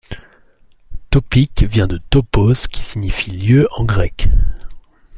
Topique vient de topos qui signifie lieu en grec.